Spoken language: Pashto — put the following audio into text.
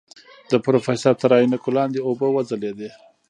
د پروفيسر تر عينکو لاندې اوبه وځلېدې.